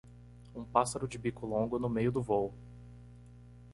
Um pássaro de bico longo no meio do vôo.